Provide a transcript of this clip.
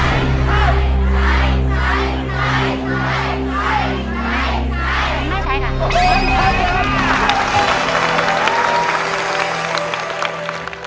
ไม่ใช้ค่ะ